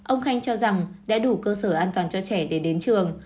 ông khanh cho rằng đã đủ cơ sở an toàn cho trẻ để đến trường